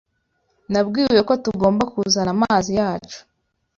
Nabwiwe ko tugomba kuzana amazi yacu.